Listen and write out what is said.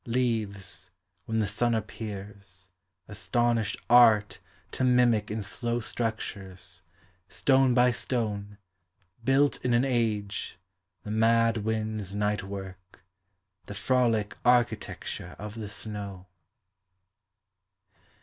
Leaves, when the sun appears, astonished Art To mimic in slow structures, stone by stone. Built in an age, the mad wind's night work, The frolic architecture of the snow.